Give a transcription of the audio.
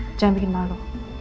jangan bikin malu